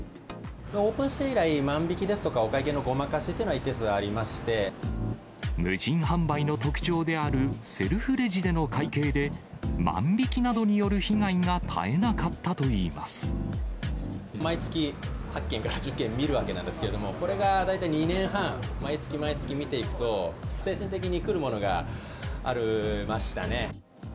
オープンして以来、万引きですとか、お会計のごまかしっていうのが、一定数ありまし無人販売の特徴である、セルフレジでの会計で万引きなどによる被害が絶えなかったといい毎月、８件から１０件見るわけなんですけれども、これが大体２年半、毎月毎月見ていくと、精神的にくるものがありましたね。